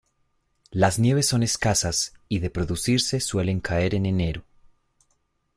Las nieves son escasas y de producirse suelen caer en enero.